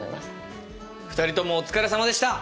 ２人ともお疲れさまでした！